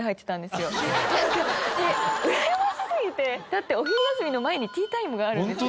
だってお昼休みの前にティータイムがあるんですよ？